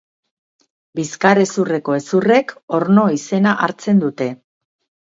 Bizkarrezurreko hezurrek orno izena hartzen dute.